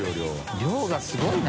量がすごいな。